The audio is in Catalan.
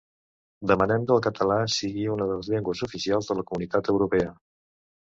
Demanem que el català sigui una de les llengües oficials de la Comunitat Europea